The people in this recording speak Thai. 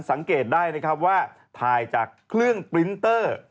สังเกตได้นะครับว่าถ่ายจากเครื่องปรินเตอร์